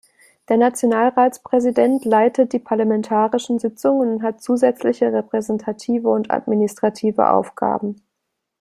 Der Nationalratspräsident leitet die parlamentarischen Sitzungen und hat zusätzliche repräsentative und administrative Aufgaben.